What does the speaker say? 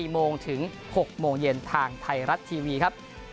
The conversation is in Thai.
โมงถึง๖โมงเย็นทางไทยรัฐทีวีครับ